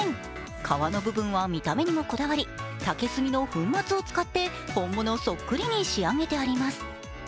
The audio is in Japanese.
皮の部分は見た目にもこだわり、竹炭の粉末を使って本物そっくりに仕上げてあります。